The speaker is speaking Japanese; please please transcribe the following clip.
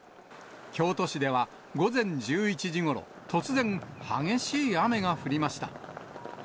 京都市では午前１１時ごろ、突然、激しい雨が降りました。